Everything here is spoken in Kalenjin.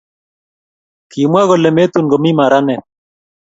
kimwa kole metun komi maranet